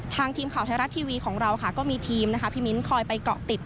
ทางทีมข่าวไทยรัตน์ทีวีของเราก็มีทีมพี่มิ้นคอยไปเกาะติด